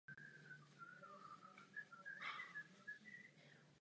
To nejspíš zapříčinilo jeho sesazení z trůnu.